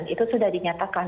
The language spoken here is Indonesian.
itu sudah dinyatakan